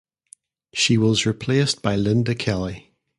She was replaced by Linda Kelly.